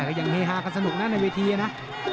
ก็ยังเฮฮากันสนุกนะในเวทีนะ